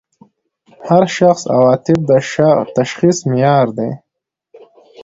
د هر شخص عواطف د تشخیص معیار دي.